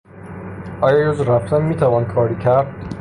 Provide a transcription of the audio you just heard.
آیا جز رفتن میتوان کاری کرد؟